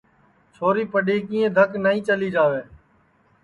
چھوری پڈؔیکِئیں دھک نائی چلی جاوے